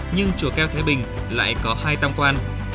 nhưng chùa keo thái bình lại có hai tam quan